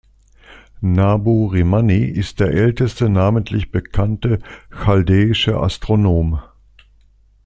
Nabu-rimanni ist der älteste namentlich bekannte chaldäische Astronom.